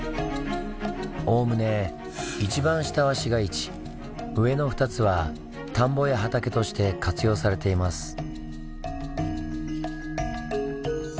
おおむね一番下は市街地上の２つは田んぼや畑として活用されています。